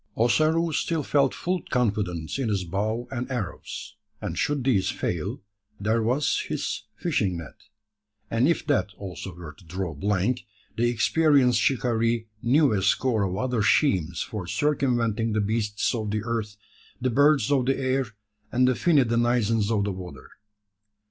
Ossaroo still felt full confidence in his bow and arrows; and should these fail, there was his fishing net; and if that also were to draw blank, the experienced shikaree knew a score of other schemes for circumventing the beasts of the earth, the birds of the air, and the finny denizens of the water.